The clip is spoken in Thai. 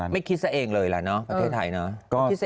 ไม่คิดซะเองเลยล่ะเนาะประเทศไทยเนอะ